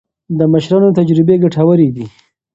د مشرانو تجربې ګټورې دي.